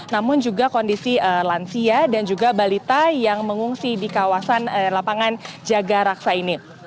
namun juga kondisi lansia dan juga balita yang mengungsi di kawasan lapangan jaga raksa ini